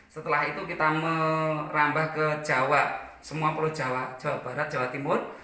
setelah itu kita merambah ke jawa semua pulau jawa jawa barat jawa timur